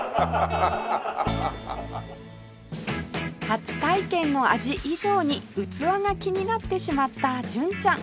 初体験の味以上に器が気になってしまった純ちゃん